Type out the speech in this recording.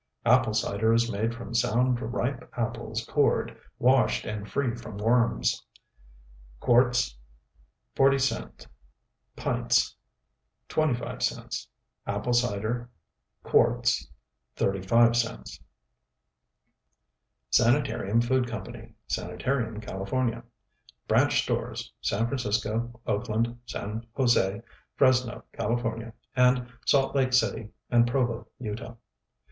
Apple Cider is made from sound ripe apples cored, washed and free from worms. Quarts $0.40 Pints $0.25 Apple Cider, quarts $0.35 SANITARIUM FOOD COMPANY Sanitarium, California BRANCH STORES: San Francisco, Oakland, San Jose, Fresno, California; And Salt Lake City and Provo, Utah.